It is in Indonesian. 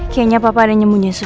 kayaknya papa ada nyembunyi sesuatu